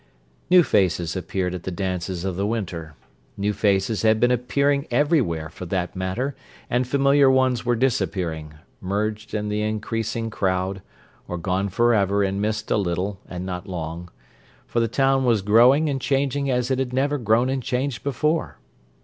New faces appeared at the dances of the winter; new faces had been appearing everywhere, for that matter, and familiar ones were disappearing, merged in the increasing crowd, or gone forever and missed a little and not long; for the town was growing and changing as it never had grown and changed before.